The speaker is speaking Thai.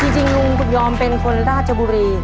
จริงลุงคุณยอมเป็นคนราชบุรี